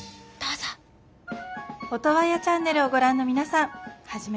オトワヤチャンネルをご覧の皆さんはじめまして。